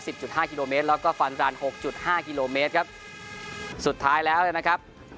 จุดห้ากิโลเมตรแล้วก็ฟันรันหกจุดห้ากิโลเมตรครับสุดท้ายแล้วเนี่ยนะครับ